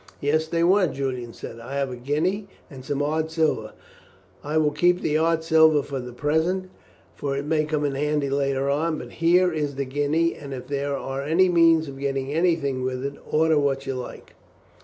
"Yes, they were," Julian said. "I have a guinea and some odd silver. I will keep the odd silver for the present, for it may come in handy later on; but here is the guinea, and if there are any means of getting anything with it, order what you like."